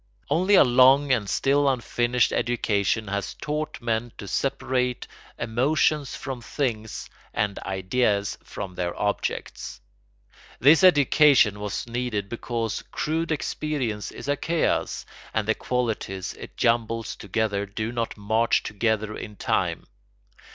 Only a long and still unfinished education has taught men to separate emotions from things and ideas from their objects. This education was needed because crude experience is a chaos, and the qualities it jumbles together do not march together in time.